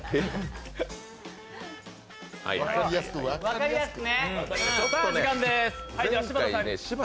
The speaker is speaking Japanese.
分かりやすく！